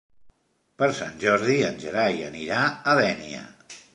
Per Sant Jordi en Gerai anirà a Dénia.